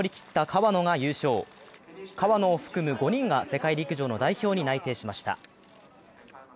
川野を含む５人が世界陸上の代表に内定しました。